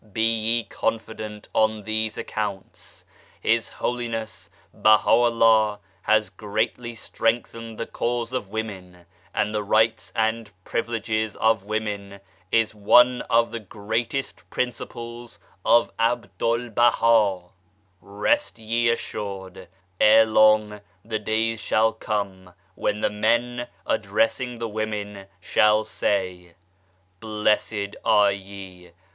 Be ye con fident on these accounts. His Holiness BAHA'U'LLAH has greatly strengthened the cause of women, and the rights and privileges of women is one of the greatest principles of Abdul Baha. Rest ye assured f Ere long the days shall come when the men, addressing the women, shall say :" Blessed are ye